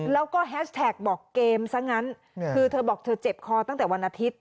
แล้วก็แฮชแท็กบอกเกมซะงั้นคือเธอบอกเธอเจ็บคอตั้งแต่วันอาทิตย์